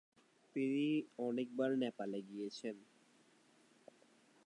তিনি অনেকবার নেপাল গিয়েছিলেন।